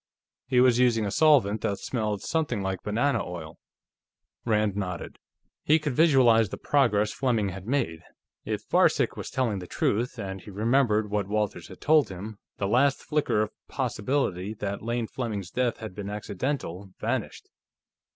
He was using a solvent that smelled something like banana oil." Rand nodded. He could visualize the progress Fleming had made. If Varcek was telling the truth, and he remembered what Walters had told him, the last flicker of possibility that Lane Fleming's death had been accidental vanished.